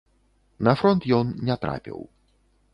На фронт ён не трапіў.